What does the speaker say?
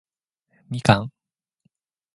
みかん